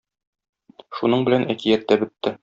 Шуның белән әкият тә бетте.